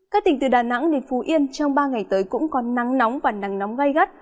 các tỉnh từ đà nẵng đến phú yên trong ba ngày tới cũng có nắng nóng và nắng nóng gai gắt